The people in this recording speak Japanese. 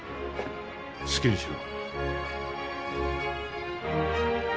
好きにしろ。